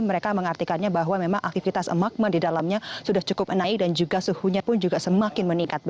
mereka mengartikannya bahwa memang aktivitas emakmen di dalamnya sudah cukup naik dan juga suhunya pun juga semakin meningkat